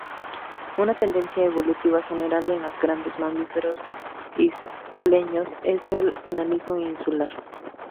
Una tendencia evolutiva general en los grandes mamíferos isleños es el enanismo insular.